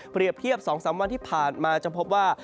เปรียบเทียบ๒๓วันที่ผ่านมาจะพบว่า